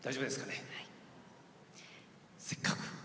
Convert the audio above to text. せっかく。